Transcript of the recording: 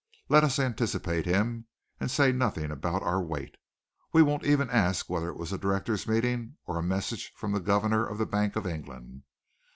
"Let us anticipate him, and say nothing about our wait. We won't even ask whether it was a directors' meeting, or a message from the governor of the Bank of England.